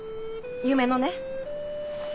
夢のね。